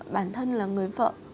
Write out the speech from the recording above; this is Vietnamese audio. bản thân là người vợ